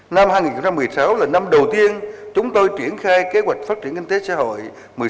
năm hai nghìn một mươi sáu là năm đầu tiên chúng tôi triển khai kế hoạch phát triển kinh tế xã hội một mươi sáu